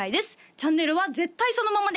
チャンネルは絶対そのままで！